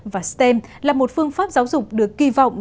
và stem là một phương pháp giáo dục được kỳ vọng